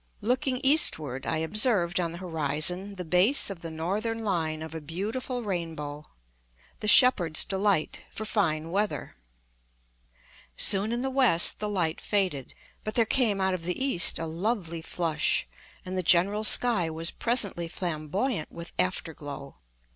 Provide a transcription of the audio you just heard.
Looking eastward, I observed on the horizon the base of the northern line of a beautiful rainbow "the shepherd's delight" for fine weather. Soon in the west the light faded; but there came out of the east a lovely flush, and the general sky was presently flamboyant with afterglow.